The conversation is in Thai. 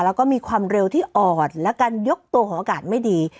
แล้วก็มีความเร็วที่อ่อนและการยกตัวของอากาศไม่ดี